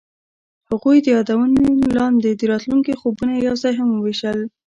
هغوی د یادونه لاندې د راتلونکي خوبونه یوځای هم وویشل.